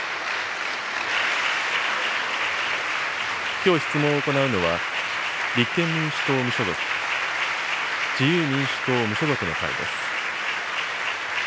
きょう質問を行うのは、立憲民主党・無所属、自由民主党無所属の会です。